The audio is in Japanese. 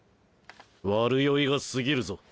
悪酔いが過ぎるぞ。